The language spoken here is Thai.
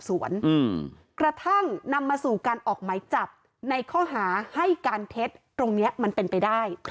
กระทั่งนำมาสู่การออกหมายจับในข้อหาให้การเท็จตรงนี้มันเป็นไปได้